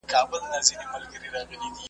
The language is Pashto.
ستا په نوم به خیراتونه وېشل کېږي ,